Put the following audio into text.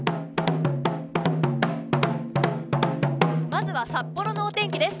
まずは札幌のお天気です。